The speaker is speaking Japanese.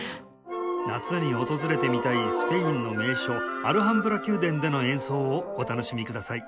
夏に訪れてみたいスペインの名所アルハンブラ宮殿での演奏をお楽しみください